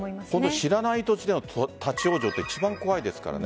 知らない土地での立ち往生一番怖いですからね。